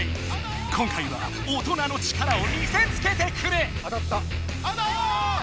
今回は大人の力を見せつけてくれ！